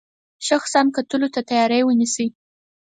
شخصا کتلو ته تیاری ونیسي.